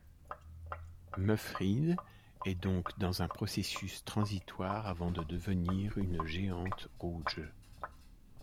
Muphrid est donc dans un processus transitoire avant de devenir une géante rouge.